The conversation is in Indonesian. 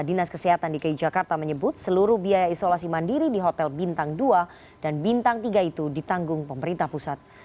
dinas kesehatan dki jakarta menyebut seluruh biaya isolasi mandiri di hotel bintang dua dan bintang tiga itu ditanggung pemerintah pusat